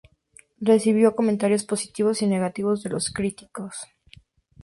Recibió comentarios positivos y negativos de los críticos.